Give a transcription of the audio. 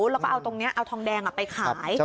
แล้วก็เอาตรงนี้เอาทองแดงไปขาย